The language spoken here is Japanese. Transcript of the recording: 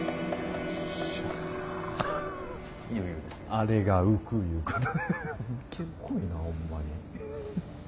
あれが浮くいうこと。